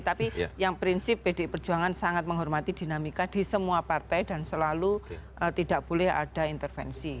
tapi yang prinsip pdi perjuangan sangat menghormati dinamika di semua partai dan selalu tidak boleh ada intervensi